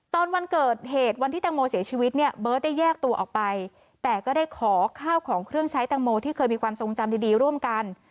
ตอนวันเกิดเหตุวันที่แตงโมเสียชีวิตเนี่ยเบิร์ตได้แยกตัวออกไปแต่ก็ได้ขอข้าวของเครื่องใช้แตงโมที่เคยมีความทรงจำดีร่วมกัน